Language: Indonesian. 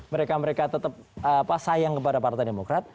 mereka mereka tetap sayang kepada partai demokrat